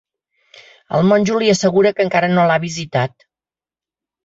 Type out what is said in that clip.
El monjo li assegura que encara no l'ha visitat.